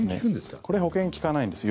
これ、保険利かないです。